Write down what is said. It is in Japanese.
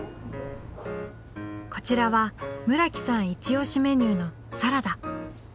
こちらは村木さん一押しメニューのサラダ。